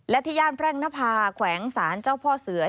และที่ญาณแปลกนภาคแขวงสารเจ้าพ่อเสือ